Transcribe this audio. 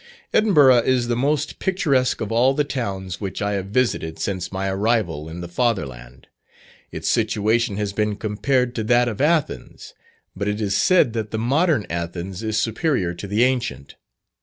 Edinburgh is the most picturesque of all the towns which I have visited since my arrival in the father land. Its situation has been compared to that of Athens, but it is said that the modern Athens is superior to the ancient.